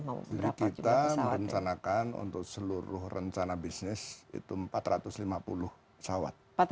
jadi kita merencanakan untuk seluruh rencana bisnis itu empat ratus lima puluh pesawat